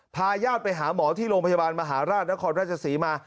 พาญาติไปหาหมอที่โรงพยาบาลมหาราชนครราชศรีมา